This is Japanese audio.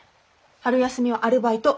春休みはアルバイト。